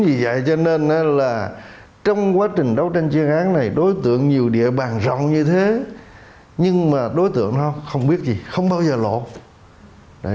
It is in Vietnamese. vì vậy cho nên là trong quá trình đấu tranh chuyên án này đối tượng nhiều địa bàn rộng như thế nhưng mà đối tượng nó không biết gì không bao giờ lộ